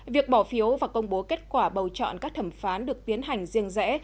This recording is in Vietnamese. việc bỏ phiếu và công bố kết quả bầu chọn các thẩm phán được tiến hành riêng rẽ